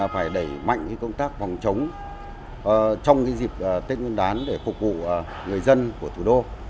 phải đẩy mạnh công tác phòng chống trong dịp tết nguyên đán để phục vụ người dân của thủ đô